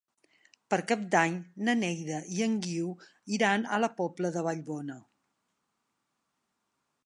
Per Cap d'Any na Neida i en Guiu iran a la Pobla de Vallbona.